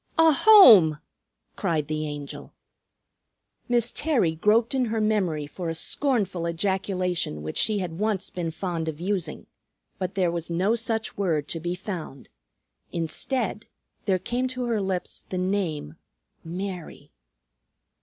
"A home!" cried the Angel. Miss Terry groped in her memory for a scornful ejaculation which she had once been fond of using, but there was no such word to be found. Instead there came to her lips the name, "Mary."